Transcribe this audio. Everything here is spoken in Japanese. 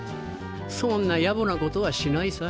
そんな野暮なことはしないさ。